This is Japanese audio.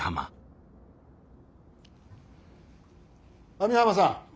網浜さん。